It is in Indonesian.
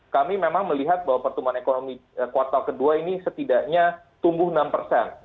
kami memang melihat bahwa pertumbuhan ekonomi kuartal kedua ini setidaknya tumbuh enam persen